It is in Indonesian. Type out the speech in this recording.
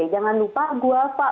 jangan lupa guava